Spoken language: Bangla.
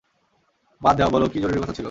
বাদ দেও, বলো, কী জরুরি কথা ছিল?